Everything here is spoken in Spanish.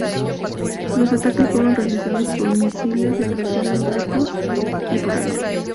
Los ataques fueron realizados por misiles de crucero en barcos y por aviones.